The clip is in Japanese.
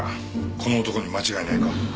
この男に間違いないか？